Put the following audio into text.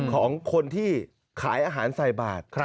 ของคนที่ขายอาหารใส่บาท